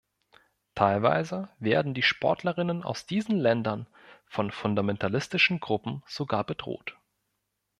Teilweise werden die Sportlerinnen aus diesen Ländern von fundamentalistischen Gruppen sogar bedroht.